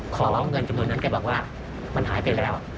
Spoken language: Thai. ขอร้องเงินจำนวนนั้นแกบอกว่ามันหายไปแล้ว